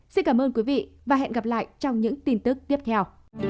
xin cảm ơn quý vị và hẹn gặp lại trong những tin tức tiếp theo